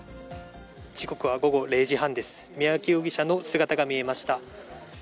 時刻は午後０時半です三宅容疑者の姿が見えました。